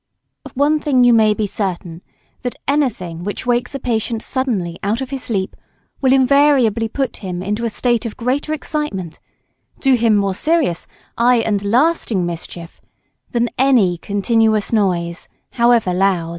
Of one thing you may be certain, that anything which wakes a patient suddenly out of his sleep will invariably put him into a state of greater excitement, do him more serious, aye, and lasting mischief, than any continuous noise, however loud.